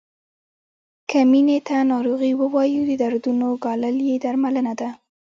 که مینې ته ناروغي ووایو د دردونو ګالل یې درملنه ده.